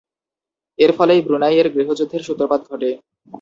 এর ফলেই ব্রুনাই এর গৃহযুদ্ধের সূত্রপাত ঘটে।